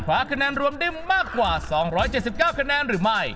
คะแนนรวมได้มากกว่า๒๗๙คะแนนหรือไม่